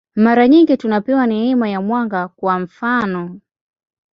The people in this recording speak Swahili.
Mara nyingi tunapewa neema ya mwanga, kwa mfanof.